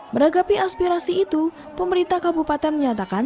menanggapi aspirasi itu pemerintah kabupaten menyatakan